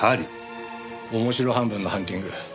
面白半分のハンティング。